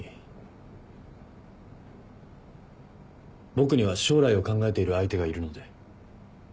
僕には将来を考えている相手がいるので。